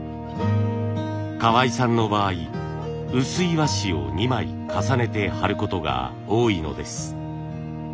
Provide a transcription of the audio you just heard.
河合さんの場合薄い和紙を２枚重ねて貼ることが多いのです。